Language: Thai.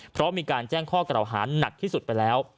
เพราะมีการแจ้งข้อกล่าวหาหนักที่สุดไปแล้ว